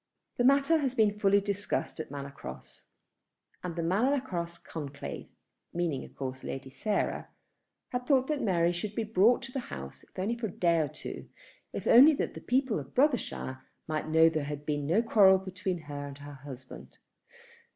The matter had been fully discussed at Manor Cross; and the Manor Cross conclave, meaning of course Lady Sarah, had thought that Mary should be brought to the house, if only for a day or two, if only that people in Brothershire might know that there had been no quarrel between her and her husband.